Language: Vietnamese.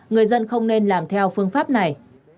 người dân không nên làm theo phương pháp này